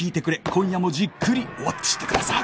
今夜もじっくりウォッチしてください